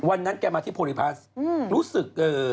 เพราะฉะนั้นแกมาที่โพลิพาสรู้สึก